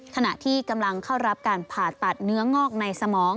ขณะที่กำลังเข้ารับการผ่าตัดเนื้องอกในสมอง